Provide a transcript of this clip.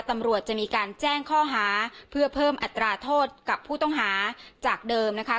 ตำรวจจะมีการแจ้งข้อหาเพื่อเพิ่มอัตราโทษกับผู้ต้องหาจากเดิมนะคะ